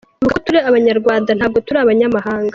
Ibuka ko turi abanyarwanda, ntabwo turi abanyamahanga.